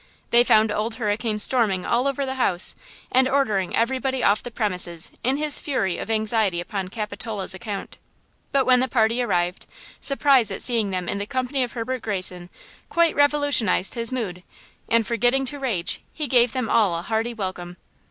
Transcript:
They found Old Hurricane storming all over the house, and ordering everybody off the premises in his fury of anxiety upon Capitola's account. But when the party arrived, surprise at seeing them in the company of Herbert Greyson quite revolutionized his mood, and, forgetting to rage, he gave them all a hearty welcome.